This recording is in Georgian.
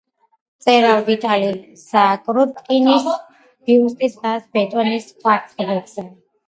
მწერალ ვიტალი ზაკრუტკინის ბიუსტი დგას ბეტონის კვარცხლბეკზე.